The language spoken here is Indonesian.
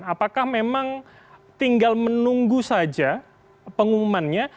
apakah memang tinggal menunggu saja pengumumannya